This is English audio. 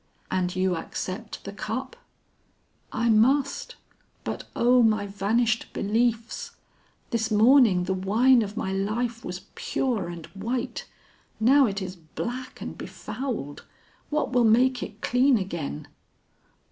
"And you accept the cup?" "I must; but oh, my vanished beliefs! This morning the wine of my life was pure and white, now it is black and befouled. What will make it clean again?"